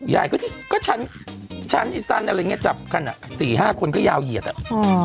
ใหญ่ก็เพียกสันอะไรอย่างนี้จับครั้งนั้นสี่ห้าคนก็ยาวเหยียดอ่ะ